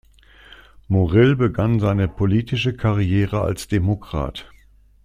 Morrill begann seine politische Karriere als Demokrat.